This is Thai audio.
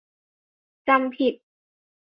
จำผิด